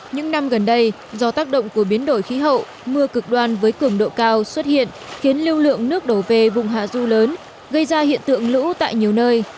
những năm gần đây do tác động của biến đổi khí hậu mưa cực đoan với cường độ cao xuất hiện khiến lưu lượng nước đổ về vùng hạ du lớn gây ra hiện tượng lũ tại nhiều nơi